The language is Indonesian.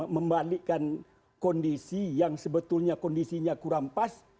membalikkan kondisi yang sebetulnya kondisinya kurang pas